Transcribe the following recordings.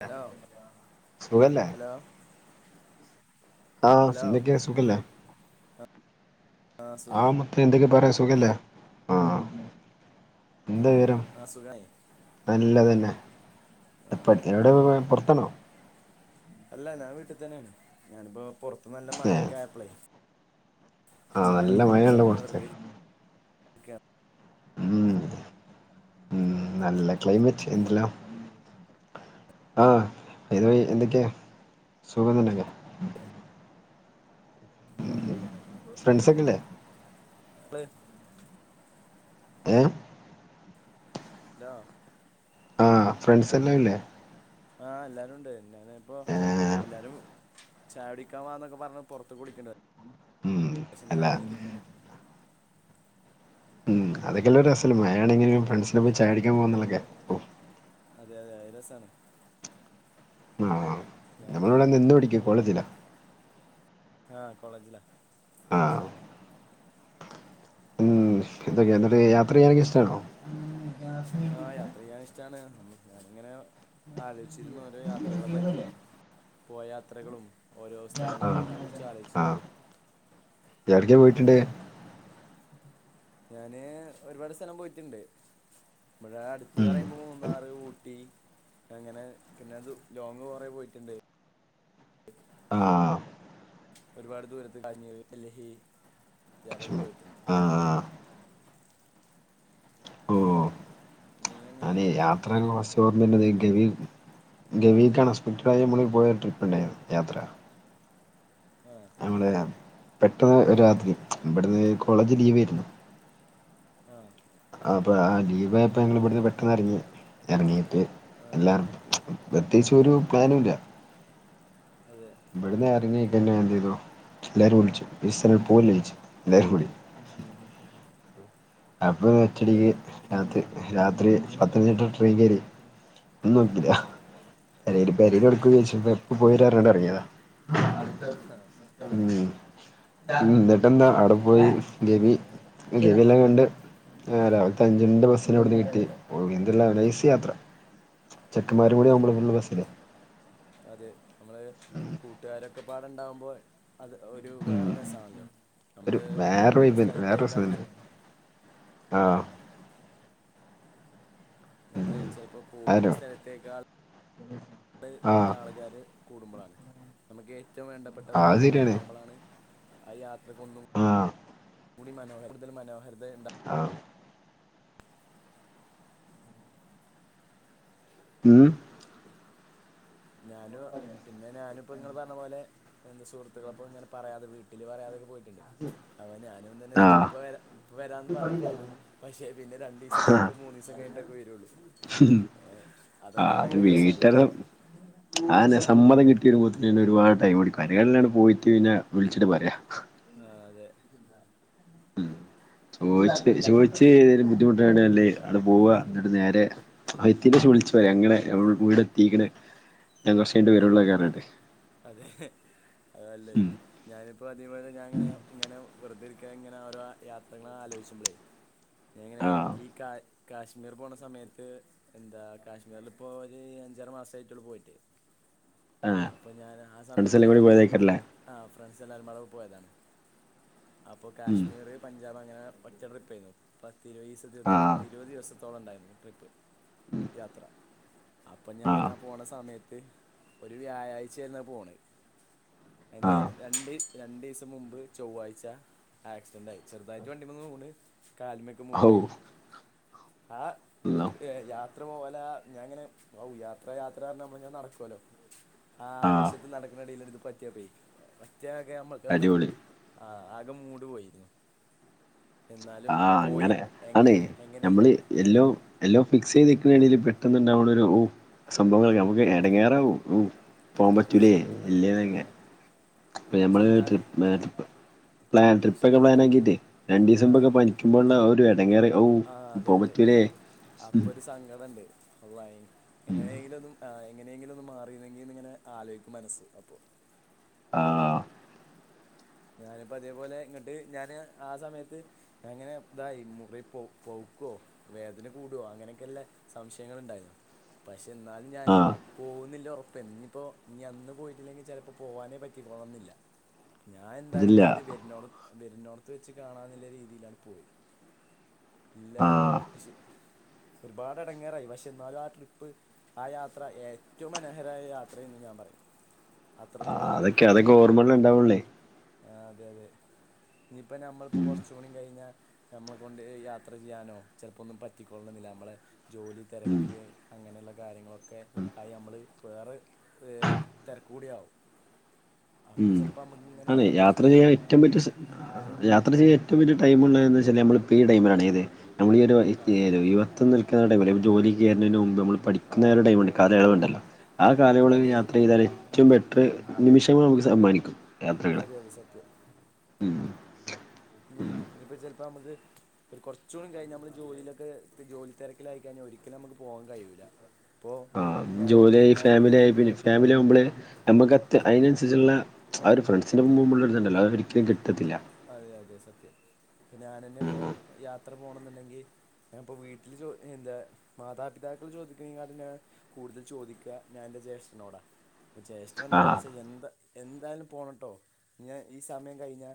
Hello സുഖല്ലേ hello ആഹ് hello സിന്തിക്കേ സുഖല്ലേ ആ ആഹ് സുഖാണ് മുത്തേ എന്തൊക്കെ പറെ സുഖല്ലേ ആഹ് എന്താ വിവരം ആഹ് സുഖായി നല്ലതന്നെ എപ്പം എവിടുള്ളെ പുറത്താണോ അല്ല ഞാൻ വീട്ട്തന്നേണ് ഞാനിപ്പോ പുറത്ത് നല്ല ഏഹ് മഴയൊക്കെ ആയപ്പളെയ് ആഹ് നല്ല മയണ്ട് ഇങ്ങനെ പുറത്ത് വെറുതെ ഇരിക്കുകയാണ് ഉം ഉം നല്ല ക്ലൈമറ്റ് എന്തെല്ലാം ആഹ് എതു ബയ് എന്തൊക്കെ സുഖം തന്നല്ലെ ഉം ഫ്രണ്ട്സൊക്കെല്ലേ [unintelligible] ഏമ് ലോ ആഹ് ഫ്രണ്ട്സ് എല്ലാം ഇല്ലേ ആഹ് എല്ലാരും ഉണ്ട് ഞാന് ഇപ്പൊ ഏഹ് എല്ലാരും ചായുടിക്കാൻ വാന്നൊക്കെ പറഞ്ഞ് പൊറത്ത് വുളിക്ക്ണ്ട് ഉം പക്ഷെ അല്ല ഞാന് അതൊക്കെല്ലെ ഒരു രസല്ലേ മഴയാണെങ്കിലും ഫ്രണ്ട്സിന്റെപ്പം ചായുടിക്കാൻ പോകന്നുള്ളൊക്കെ ഓ അതെ അതെ അത് രസാണ് ആ ഞാന് നമ്മളിവിടെ നിന്ന് പഠിക്കും കോളേജിലാ ആഹ് കോളേജിലാ ആഹ് എന്തൊക്കെയ എന്നിട്ട് യാത്ര ചെയ്യാനൊക്കെ ഇഷ്ടാണോ ആഹ് യാത്ര ചെയ്യാൻ ഇഷ് ട്ടാണ് ഞാനിങ്ങനെ ആലോയിചിരുന്നു ഓരോ യാത്രകളെ പറ്റിയും പോയ യാത്രകളും ഓരോ ആ സ്ഥലങ്ങളൊക്കെ ഇങ്ങനെ കുറിച്ച് ആലോയിച്ചിന് എവിടെക്കെ പോയിട്ടുണ്ട് ഞാന് ഒരുപാട് സ്ഥലം പോയിട്ടുണ്ട് ഇവിടാ അടുത്ത് ഉം പറയുമ്പോ മൂന്നാറ് ഊട്ടി അങ്ങനെ പിന്നെ അതു ലോങ്ങ് കൊറെ പോയിട്ടുണ്ട് ആ ഒരുപാട് ദൂരത്ത് കാശ്മീര് ഡെൽഹി [unintelligible] കാശ്മീർ പോയിട്ടുണ്ട് ആ ആ നിങ്ങളോ നീ എങ്ങനെ ഈ യാത്രകള് ഫസ്റ്റ് പറഞ്ഞേൻ്റെ [unintelligible] ഗവി ഗവിക്ക് അൺ എസ്പെക്റ്റഡ് ആയി നമ്മള് പോയ ട്രിപ്പ് ഉണ്ടായിരുന്നു യാത്ര ആ ഞമ്മള് പെട്ടെന്ന് ഒരു രാത്രി ഇവിടുന്ന് കോളേജ് ലീവ് ഏരുന്നു ആഹ് അപ്പൊ ആ ലീവായപ്പം ഞങ്ങൾ ഇവിടുന്ന് പെട്ടെന്ന് എറങ്ങി എറങ്ങി ആ എല്ലാർതും പ്രത്യേകിച്ച് ഒരു പ്ലാനു ഇല്ല അതെ ഇവിടുന്നെറങ്ങി പിന്നെ എന്തെയ്തു എല്ലാരും ഒളിച്ചു [inaudible] പോവല്ലോച്ച് എല്ലാരുംടി ഉം. അപ്പം ഒറ്റടിക്ക് പെട്ടെന്ന് രാത്രി രാത്രി പത്തനംതിട്ട ട്രെയിൻ കയറി ഒന്നും നോക്കില്ല ഉം, അല്ലേലും ഒന്നും പെരേലെടുക്ക് നോക്കിയില്ല വിചാരിച്ചു ഇപ്പോ പോയി വരാ പറഞ്ഞിട്ട് ഇറങ്ങിയതാ ഉം ന്താ എന്നിട്ടെന്താ അവിടെ പോയി ഗവി ഗവിയെല്ലാം കണ്ട് ആഹ് രാവിലത്തെ അഞ്ചിന്റെ ബസ്സിന് അവിടുന്ന് കിട്ടി എന്തെല്ലാം നൈസ് യാത്ര ചെക്കമാരും കൂടി അതെ ആവുമ്പള് ഫുൾ രസല്ലേ അതെ നമ്മള് കൂട്ടുകാരൊക്കെ പാടുണ്ടാവുമ്പോയ് അത് ഒരു ഉം വേറെ രസാണല്ലോ ഒരു നമ്മള് വേറെ പോകുന്ന വൈബ് വേറെ രസം സ്ഥലത്തേക്കാൾ തന്നെ ആ ആഹ് നമ്മള് ചിലപ്പോ പോകുന്ന ആരോ സ്ഥലത്തേക്കാൾ ഇവിടെ ആഹ് ആള്ക്കാര് കൂടുമ്പളാണ് നമുക്ക് ഏറ്റവും വേണ്ടപ്പെട്ടവര് അത് നമ്മളൊപ്പം ശരിയാണ് ഉണ്ടാവുമ്പളാണ് ആ യാത്ര അത്തിലേക്ക് ഒന്നും ആഹ് കൂടി മനോഹത്തിൽ മനോഹര ഉണ്ടാകും ആഹ് ഉം ഞാന് പിന്നെ ഞാനും ഇപ്പ ഇങ്ങള് പറഞ്ഞ പോലെ എന്താ സുഹുത്തുകൾക്കൊപ്പം ഇങ്ങനെ പറയാതെ വീട്ടിൽ പറയാതൊക്കെ പോയി അങ്ങനെ ഞാനും ഇന്നലെ ആഹ് ഇപ്പ വരാം വരാന്ന് പറഞ്ഞ് പോകും പക്ഷേ പിന്നെ രണ്ടു ദെവസം കഴിഞ്ഞിട്ട് മൂന് ദെവസം കഴിഞ്ഞിട്ടൊക്കെ വരുള്ളൂ. ഉം ഏ, അതൊക്കെ ആഹ് അത് ഭയങ്കര രസമാണ് വീട്ടണം ഞാന് സമ്മതം കിട്ടി വരുമ്പോത്തെന് തന്നെ ഒരുപാട് ടൈം എടുക്കും ആയിനെക്കാൾ നല്ലത് പോയിട്ട് പിന്നെ വിളിച്ചിട്ട് പറയാ. അതെ ചോദിച്ചിട്ട് ചോദിച്ച് ഒരു ബുദ്ധിമുട്ട് ആവെണെ നല്ലത് അങ്ങട്ട് പോവുവ എന്നിട്ട് നേരെ അകത്തേക്ക് - വിളിച്ചു പറയാം അങ്ങനെ വീട് എത്തീക്ക്‌ണ് ഞാൻ കൊറച്ച് കഴിഞ്ഞിട്ട് വരള്ളൂന്നൊക്കെ പറഞ്ഞ്ട്ട്. അതെ അതല്ലേ ഞാനിപ്പോ അതേപോലെ ഞാനിങ്ങനെ വെറ്തെ ഇരി ഒക്കെ ഇങ്ങനെ ഓരോ യാത്രകള് ആലോചിച്ച്ബളേ ഇങ്ങനെ ആഹ് ഈ കാ കാശ്മീർ പോണ സമയത്ത് എന്താ കാശ്മീരിൽ ഇപ്പോ ഒരു അഞ്ചാറ് മാസമായിട്ടേള്ളൂ പോയിട്ട്. [inaudible] ആഹ് അപ്പോൾ ഞാന് ആ ഫ്രണ്ട്സ് സമയത്ത് എല്ലാം കൂടി ഞാന് പോയതേക്കാരല്ലേ ആഹ് ഫ്രണ്ട്സ് എല്ലാവരും പാ [unintelligible] ടെ പോയതാണ്. അപ്പൊ ഉം കാശ്മീറ് പഞ്ചാബ് അങ്ങനെ ഒറ്റ ട്രിപ്പേന്നു പത്തി ഇരുപത് ദെവസത്തെ ആഹ് ഇരുപത് ദെവസ അത്രത്തോളം ഒണ്ടായിരുന്നു ട്രിപ്പ് യാത്ര. അപ്പം ഞാന് ആഹ് ആ പോണ സമയത്ത് ഒരു വ്യാഴാഴ്ച ആയിരുന്നു പോണ് അയിന് ആഹ് രണ്ട് രണ്ടു ദെവസം മുമ്പ് ചൊവ്വാഴ്ച്ച ആക്സിഡന്റ് ആയി ചെറുതായിട്ട് വണ്ടിന്ന് ഒന്ന് വീണ് കാലുമേ ഒക്കെ ഹൗ മുറിവായി അള്ളാ ആഹ് യാ യാത്ര പോല ഞാങ്ങനെ ഔ യാത്ര യാത്ര അർഞ്ഞ് നമ്മള് ഇങ്ങനെ നടക്കോല്ലോ. ആഹ് ആവേശത്ത് നടക്ക്ണ എടീല് [unintelligible] പറ്റിയ പ്പെ പറ്റിയ ഒക്കെ നമ്മക്കാണ് അടിപൊളി ആ കെ മൂട് പോയി. എന്നാലും ആഹ് അങ്ങനെ എങ്ങ ആണ്. എങ്ങനെ ഞമ്മള് എല്ലോ എല്ലോ ഫിക്സെയ്ത് നിക്ക്ണെടീൽ പെട്ടെന്നുണ്ടാവണ ഒരു ഉ സംഭവങ്ങളൊക്കെ നമുക്ക് എടങ്ങേറാവും. പോകൻ അത് പറ്റൂലേയ് ആ ഇല്ലേന്ന്ങ്ങനെ അപ്പം പക്ഷെ ഞമ്മള് എന്നാൽ ട്രിപ്പ്‌ പ്ലാൻ ട്രിപ്പ് പക്ഷെ ഒക്കെ പ്ലാൻ ആക്കിട്ട് രണ്ടീസം ആ മുൻപൊക്കെ അത് പനിക്കുമ്പോള്ള ആ ഒരു എടങ്ങേറ് ഔ ആ അതെ പോവാൻ അതെ പറ്റൂലേ അപ്പൊ ഒരു സംഘടം പോവാൻ എങ്ങനെയങ്കിലൊന്നും അയി എങ്ങനെയെങ്കിലും ഒന്ന് മാറിയിന്നെങ്കിന്ന് ഇങ്ങനെ ആലോചിക്കും മനസ്സ് അപ്പൊ ആ ഞാനിപ്പോ അതേപോലെ ഇങ്ങട്ട് ഞാന് ആ സമയത്ത് ഞനങ്ങനെ ഇതായി മുറി പോ പോവും പ്പോ വേദന കൂടോ അങ്ങനെയൊക്കെല്ല സംശയങ്ങള ഉണ്ടായിരുന്നു പ്പനി പക്ഷെ എന്നാലും ഞാന് ആഹ് പോകുന്നില്ല ഉറപ്പ അപ്പോ ഇനിപ്പോ ഇനി അന്ന് പോയിട്ടില്ലെങ്കിൽ ചിലപ്പോ പോവാനെ പറ്റിക്കോളണംന്നില്ല. ഞാൻ എന്തായാലും അതില്ല കരുതി വരുന്നോട വരുന്നോടത്ത് വെച്ച് കാണാ എന്നുള്ള രീതിയിലാട്ട് പോയത്. ഇല്ല ആഹ് പക്ഷെ ഒരുപാട് ഇടങ്ങേറായി പക്ഷെ എന്നാലും ആ ട്രിപ്പ് ആ യാത്ര ഏറ്റവും മനോഹരായ യാത്രയന്ന് ഞാൻ പറയും. ആ അത്രത്തോളം അതൊക്കെ അതൊക്കെ ഓർമ്മകൾല് ഇണ്ടാവോള്ളെ. ആ അതെ അതെ ഇനിയിപ്പ നമ്മളിപ്പോ ഉം കൊറച്ച്കൂടി കഴിഞ്ഞാ നമ്മളെ കൊണ്ട് യാത്ര ചെയ്യാനോ ചിലപ്പോന്നും പറ്റിക്കൊള്ളുന്നില്ല നമ്മള് ജോലി ഉം തിരക്ക് അങ്ങനെയുള്ള കാര്യങ്ങളൊക്കെ ആയി നമ്മള് വേറെ തെരക്ക്‌ കൂടിയാകുബോ അപ്പോ ചെലപ്പോ നമുക്ക് ഇങ്ങനെ ആണ യാത്ര ചെയ്യാൻ ചെയ്യാനോ ഏറ്റവും പറ്റിയ സമയം യാത്ര ചെയ്യ ഏറ്റവും വലിയ ടൈമുള്ളത വെച്ചാല് നമ്മ ഈ ടൈാണ്ത് നമ്മളൊരു ആ ഇരുപത്തൊന്ന് ട അല്ല ജോലിക്ക്റുന്നതിന് മുമ്പ്മ്മൾ പഠിക്കുന്നരുടൈംണ്ട് ആ കാലയളവ് ഉണ്ടല്ലോ ആ കാലയളവിൽ അതെ യാത്ര അതെ ചെയ്താൽ ഏറ്റവും ബെറ്റർ നിമിഷങ്ങ നമുക്ക് സമ്മാനിക്കും യാത്രകളെ അതെ അതെ സത്യം ഉം ഇഞ്ഞിപ്പോ ചെലപ്പോ ഇപ്പം നമുക്ക് ഒരു കുറച്ച കൂടി കഴിഞ്ഞ നമ്മൾ ജോലിയിലൊക്കെ ജോലിതിരക്കിലായി കഴിഞ്ഞാൽ ഒരിക്കലും നമ്മക്ക് പോകാൻ കഴിൂല്ല ആഹ ജോലിയായി ഫാമിലി ആായി പിന്നെ ഫാമിലി ആകുമ്പളേ നമുക്ക്ത് അതിനനുസരിച്ചുള്ള ആ ഒരു ഫ്രണ്ട്സിന്റെ മുമ്പുള്ളരിതുണ്ടല്ലോ അ ഒരിക്കലും കിട്ടത്തില്ല അതെ അതെ സത്യം ഇപ്പ ഞാനെന്നെ ഇപ്പോൊ ഉം യാത്ര പോണം എന്നുണ്ടെങ്കി ഞൻ ഇപ്പ വീട്ടില് എന്താ മാതാപിതാക്കൾ ചോദിക്കുന്നതലാട്ടിം കൂടുതൽ ചോദിക്കുക ഞാൻ ന്റെ ജേഷ്ഠനോടാ ജേഷ്ഠൻ ആഹ് എന്താപറയാച്ച എന്താ എന്തായാലും പോണട്ടോ ഞാൻ ഈ സമയം കഴിഞ്ഞാ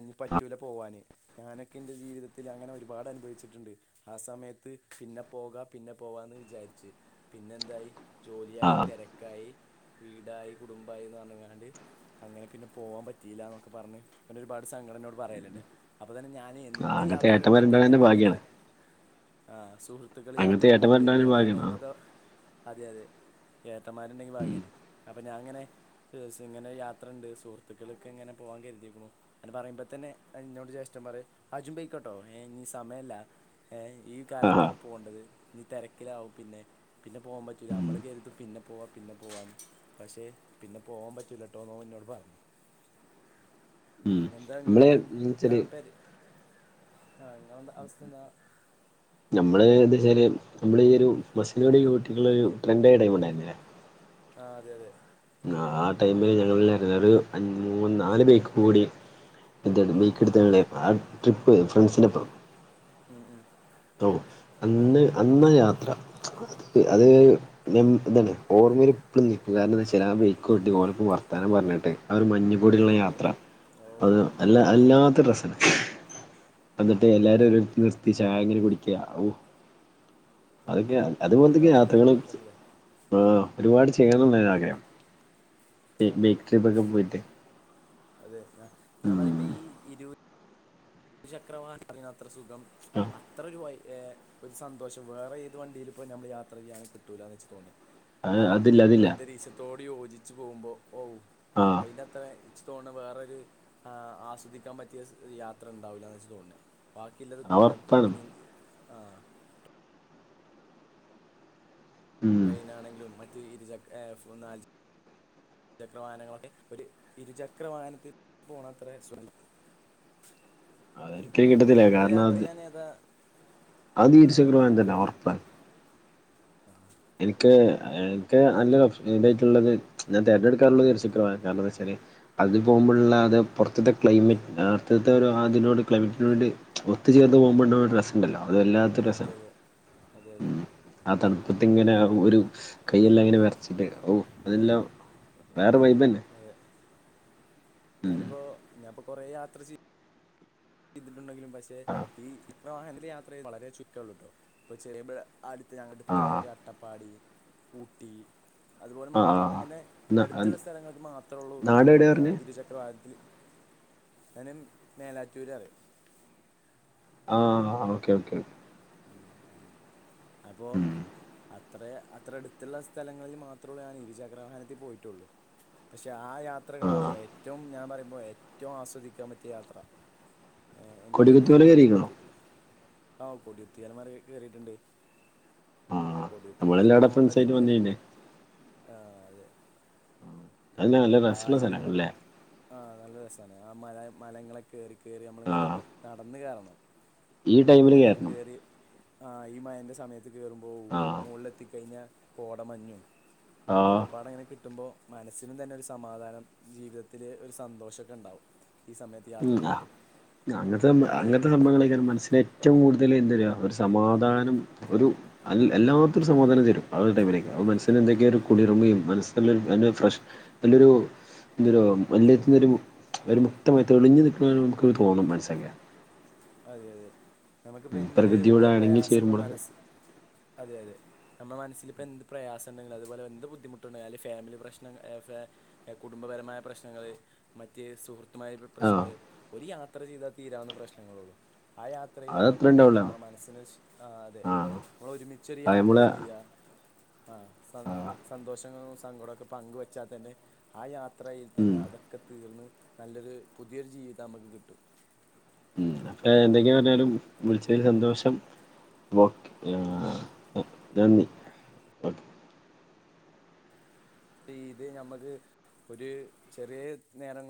ഇനി പറ്റൂല പോവാാന് ഞാനൊക്കെ എൻ്റെ ജീവിതത്തിൽ അങ്ങനെ ഒരുപാട് അനുഭവിച്ചിട്ടുണ്ട്, ആ സമയത്ത് പിന്നെ പോക പിന്നെ പോവാ എന്ന് വിചാരിച്ചു പിന്നെന്തായി ജോലിയായി ആഹ് തിരക്കായി വീടായി കുടുംബമായിന്ന് പറഞ്ഞാണ്ട് അങ്ങനെ പിന്നെ പോവാാൻ പറ്റിയില്ലന്നൊക്കെ പറഞ്ഞ് ഒരുപാട് സംഘടനോട് പറയല്ണ്ട് അപ്പൊ തന്നെ ഞാൻ എന്ത് അങ്ങനത്തെ യാത്രയൊക്കെ പറ്റി ഏട്ടന്മാരുണ്ടാകാൻ തന്നെ ഞാന്ങ്ങനെ ഭാഗ്യാണ് ആ സുഹൃത്തുക്കൾ യാത്ര അങ്ങനത്തെ പോവണ്ട് ഏട്ടന്മാരുണ്ടാകാൻ ഇങ്ങോട്ടാണ് ഭാഗ്യാണ് ആഹ് എന്നൊക്കെ അതെ അതെ ഏട്ടന്മാരുണ്ടേൽ ഭാഗ്യാണ് അപ്പൊ ഞാാന ഇങ്ങനെ ഇങ്ങനെ യാത്രുണ്ട് സുഹൃത്തുക്കൾക്കെ എങ്ങനെ പോവാാൻ കരുതിക്കണു അത് പറയുമ്പ തന്നെ എന്നോട് ജെഷ്ടം പറിം ആ ജും പെയക്കോട്ടോ ഏ ഇഞ്ഞി സമയല്ല ഏഹ ഈ ആഹാ കാലത്താണ് പോകേണ്ടത് ഞ്ഞി തിരക്കിലകും പിന്നെ പിന്നെ പോകാൻ പറ്റൂല്ല ഉം നമ്മൾ കരുതും പിന്നെ പോവാ പിന്നെ പോവാന്ന് പക്ഷേ പിന്നെ പോവാൻ പറ്റൂലട്ടോന്ന് ഓൻ ഇനോട് പറഞ്ഞു ഉം എന്താ നിങ്ങളെ നമ്മള് ച്ചാല് പേരേത്ത നിങ്ങെന്താ അവസ്ഥ എന്താ നമ്മള് എന്താച്ച നമ്മള് ഈ ഒരു മസ്സനകുടി ഊട്ടിക്കുള്ള ഒരു ട്രെൻഡയ ടൈമ് ഒക്കെ ഉണ്ടായിുന്നില്ലേ ആ അതെ അതെ ആ ടൈമില് ഞങ്ങ ഒരു അഞ്ച് മൂന്ന് നാല് ബൈക്ക്മകൂടി എന്തണ് ഉം ബൈക്ക് ട്ത്താണ് ലെ ആ ട്രിപ്പ് ഫ്രണ്ട്സിനപ്പം ഉം ഉം ഠോ അന്ന് അന്നയാത്ര. അത്... മെം എന്താണ് ഓർമ്മയിൽ പ്പളും നിക്കും കാരണം എന്തയ്ച്ചാല് ആ ബയ്കോട്ടി ഓൻ്റെപ്പം വർത്താനം ഞ പറഞ്ഞിട്ടെ ആ ഒരു ഓ മഞ്ഞുകൂടിയുള്ള അതെ യാത്ര ഓ അത് അല്ല അല്ലാ.. [unintelligible] എന്നിട്ട് എല്ലാരും ഒരു [unintelligible] കുടിക്ക്യ ഔ.. അഒക്കെ അതൊക്കെ അതുപോലത്തക്കെ യാത്രകളും ആലോചിക്കുമ്പോ തന്നെല്ലേ ആ. ഒരുപാട് ചെയ്യണംന്ന ആഗ്രഹം ബേ അതെ ബേയ്ക്കിട്ത്തൊക്കെ പോയിട്ട്. അതെ ഞ ഞാൻ പറയുമ്പോ ഉം ഈ ഇരു ഒരു ചക്ര [unintelligible] അത്ര സുഖം ആ അത്ര ഒരു വൈ ഏ.. ഒരു സന്തോഷം വേറെ ഏത് വണ്ടിയിൽ പോയി നമ്മൾ യാത്ര ചെയ്യന് കിട്ടൂലന്നാ ച്ച് തോണ്. ആഹ അതില്ല അതില്ല യോജിച്ചു പോകുമ്പോ ഔ.. ആ അയി ൻ്റത്രേ. ച്ച് തോന്നണ് വേറൊര് ആ ആസ്വദിക്കാൻ പറ്റിയ സ് യാത്ര ണ്ടാവൂലാന്നാ ച്ച് തോന്നണ്. ബാക്കിയുള്ളത് അത് ഗ ഒറപ്പാണ് പിന്നെ. ആ ഉം ട്രയിനാണെങ്കിലും മറ്റ് ഇരുചക് ഏ... ഫുന്നാൽ. ചക്രവാഹനങ്ങളെ ഒരു ഇരുചക്രവാഹനത്തിൽ പോണത്രേ സുഖ. [inaudible] അതൊരിക്കലും കിട്ടത്തില്ല കാരണം അത് ഏതാ അത് ആ ഇരുച്ചക്രുവാൻ തന്നെ ഒറപ്പാ. എനിക്ക് എനിക്ക് നല്ല ഇതായിട്ടുള്ളത് ഞാൻ ഇൻക്ക്.. ഇൻക്ക് ഇൻക്ക് നല്ലൊരു [unintelligible] ഞാൻ തെരഞ്ഞെട്കക്കാറുള്ളത് ഒരു ചിത്രമാ കാരണത്തയ്ച്ചാല്. അത് പോകുമ്പോള്ള അത് പുറത്തത്തെ ക്ലൈമറ്റ് ലാസ്റ്റി ത്തൊരു ആതിനോടു ക്ലൈമറ്റിനു വേണ്ടി. ഒത്തു ചേർന്ന് പോകുമ്പോണ്ടവ് രസംണ്ടല്ലോ അത്‌ വല്ലാത്ത അതെ രസണ് അതെ അതെ അതെ ആ തണു.. ആഒരു കയെല്ലാം ങ്ങനെ വറച്ചിട്ട് ഔ അതെല്ലാം വേറെ വൈബന്നെ, അതെ ഞാനിപ്പോ ഞാൻപ്പൊ കൊറെ യാത്ര ചെയ്യ ചെയ്തിട്ടുണ്ടെങ്കിലും പക്ഷെ ഈ ഇരുചക്ര വാഹനത്ത് യാത്ര ചെയ് വളരെ ചുരുക്കള്ളൂട്ടോ ഇപ്പ ചെറി ബഴ. അടുത്ത് ഞങ്ങൾത് ആ അട്ത്തായിട്ട് അട്ടപ്പാടി ഊട്ടി. അതുപോലെ ആ ആ മാത്ര അങ്ങനെ ന- അട്ത്തുള്ള സ്ഥലങ്ങൾക്ക് മാത്രള്ളൂ നാട് എവിടെയാ ആ പറഞ്ഞേ ഇരുചക്ര വാഹനത്തില്. ഇരുചക്രവാഹനത്തിൽ ഞാന്‌ മ് മേലാറ്റൂരറിം. ആഹ ഓക്കെ ഓക്കേ അപ്പോ ഉം. അ അത്ര അത്ര അടുത്തുള്ള അത്ര അത്ര അത്ര അടുത്തുള്ള ത്രേ ത്രേ ത്രേ അത്രട്ത്തുള്ള സ്ഥലങ്ങളിൽ മാത്രൊള്ളൂ ഞാൻ ഇരുചക്രവാഹനത്തി പോയിട്ടുള്ളൂ പക്ഷെ ആ. ആ ആ യാത്രകളാണ് ഏറ്റവും ഞമ്പറി മ്പൊ ഏറ്റവും ആസ്വാദിക്കാൻ പറ്റിയ യാത്ര. എനിക്ക്തിന്റെ കൊടികുത്തിമല ജീവിതത്തിൽ ഏ ഏ കേറിക്കണോ ഏ എൻക്ക് എൻ്റെ ജീവിതത്തിൽ പറ്റിട്ട്ള്ള ആ കോടിയുത്തിയാർ മലേക്ക് കേറീട്ട്ണ്ട്. ആഹ നമ്മളെല്ലാടത്തും ൻ സായ്റ്റ് കയറി വന്നില്ലെ. ആ അതെ അന്നെ നല്ല ആ രസള്ള അതിൻ്റെ സ്ഥലങ്ങളല്ലേ ആ നല്ല രസാണ് ആ മല മലങ്ങളെ കേറി കേറി നമ്മളിങ്ങനെ ആഹ് നടന്ന് കേറണം. ഈ ടൈമില് കേറണം. ആ ഈ മഴന്റെ സമയത്ത് കേറുമ്പോ ആഹ് മോൾലെത്തിക്കഴിഞ്ഞാ കോട മഞ്ഞും. ആഹ് ഒക്കപ്പാടങ്ങനെ കിട്ടുമ്പോ മനസ്സിനും തന്നെ ഒരു സ്. സമാധാനം ജീവിതത്തില് ഒരു സന്തോഷക്കെ ണ്ടാവും. ഉംആ അങ്ങനത്തെ സം നമ്മൾ അങ്ങനത്തെ സംഭവങ്ങളൈക്കാരം മനസ്സിനെ ഏറ്റവും കൂടുത ന്തലുംഎന്തരാ ഒരു സമാധാനം ഒരു അൽ എല്ലാത്തൊരു സമാധാനം തരും ആ രു ടൈമിലേക്കെരം അഅ് മൻസന്. എന്തൊക്കെരു കുളിർമയും മനസല്ലൊരു നല്ലൊരു ഫ്രഷ് നല്ലൊരു. ല്ലൊരു [unintelligible] ഒരു മുക്തമായി തെളിഞ്ഞു നിൽക്കണ ഒരു മ്മക്ക്തോന്നും മനസ്സൊക്കെ. അതെ അതെ നമുക്കിപ്പോ ഉം എന്ത് പ്രകൃതിയോട് എ ഇണങ്ങി പ്രയാസപ്പം ചേരുമ്പോളൊക്കെ മനസ് അതെ അതെ. നമ്ല മനസ്സില്പ്പ എന്ത് പ്രിസണ്ടങ്കിലും അതുപോലെ എന്ത് ബുദ്ധിമുട്ടുണ്ടായാല് ഫാമിലി പ്രശ്നം ഏ ഫേ എ കുടും. പരമായപ്രശ്നങ്ങള് മറ്റ് സുഹൃ. മായ രു ആഹ് പ്രശ്നങ്ങള് ഒരു യാത്ര ചെയ്താതീരാവുന്ന പ്രശ്നങ്ങളൊള്ളൂ. ആ യാത്രയിൽ അതത്ര അതൊക്കെ തീരും ഉണ്ടാവൂല നമ്മുടെ മനസ്സിന് ഒരു ഇഷ് ആഹ് അതെനമ്മൾ ഒരുമിച്ചൊ ഒരു അത് യാത്ര നമ്മളെ ചെയ്യാ ആഹ സ സന്തോഷങ്ങളും സങ്കടവുംക്കെ പങ്കുവെച്ചാൽ തന്നെ ആ യാത്ര യാത്രൽ തന്നെ ഉം അതൊക്കെ തീർന്ന് നല്ലൊരു പുതിയൊരു ജീവിതം നമുക്ക് കിട്ടും. ഉം അപ്പൊ എന്തെങ്കെ പറഞ്ഞാലും വിളിച്ചതിൽ സന്തോഷം ഓക്കെ ഉം. ആ നന്ദി ഓക്കെ ഇത് നമ്മക്ക് ഒരു ചെറിയ നേരങ്ങ